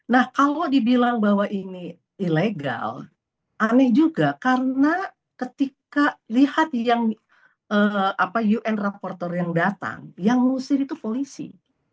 nah kalau dibilang bahwa ini ilegal aneh juga karena ketika lihat yang un reporter yang datang yang ngusir itu polisi